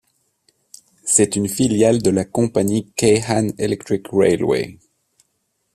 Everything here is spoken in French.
C'est une filiale de la compagnie Keihan Electric Railway.